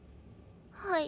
はい。